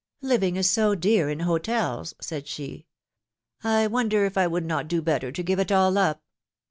Living is so dear in hotels,'^ said she. I wonder if I would not do better to give it all up